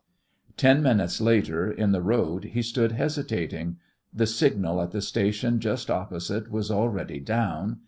Ten minutes later, in the road, he stood hesitating. The signal at the station just opposite was already down.